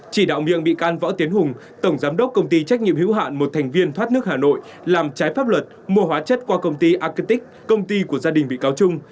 chỉ đạo miệng bị can võ tiến hùng tổng giám đốc công ty trách nhiệm hữu hạn một thành viên thoát nước hà nội làm trái pháp luật mua hóa chất qua công ty acatic công ty của gia đình bị cáo trung